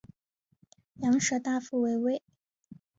羊舌大夫为尉。